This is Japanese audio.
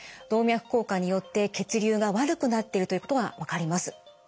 動脈硬化によって血流が悪くなってるということが分かります。